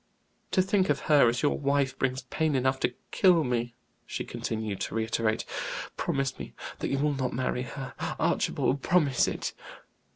"To think of her as your wife brings pain enough to kill me," she continued to reiterate. "Promise me that you will not marry her; Archibald, promise it!"